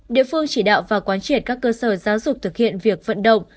địa phương chỉ đạo và quán triển các cơ sở giáo dục thực hiện việc vận động